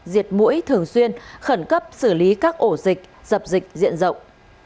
diệt mũi thường xuyên khẩn cấp xử lý các ổ dịch dập dịch diện rộng